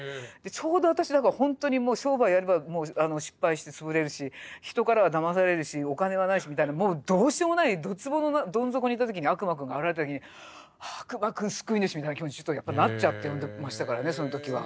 ちょうど私だからほんとにもう商売やれば失敗して潰れるし人からはだまされるしお金はないしみたいなもうどうしようもないドツボのどん底にいた時に悪魔くんが現れた時に「悪魔くん救い主！」みたいな気持ちになっちゃってましたからねその時は。